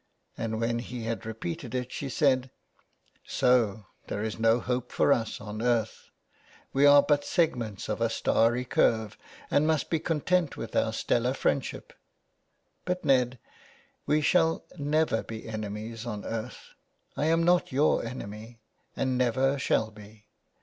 And when he had repeated it she said —" So there is no hope for us on earth. We are but segments of a starry curve, and must be content with our stellar friendship. But, Ned, we shall never be enemies on earth. I am not your enemy, and never shall be.